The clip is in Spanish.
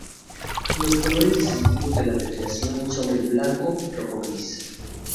Los colores distintivos de La Federación son el blanco, rojo gris.